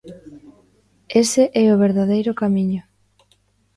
Ese é o verdadeiro camiño.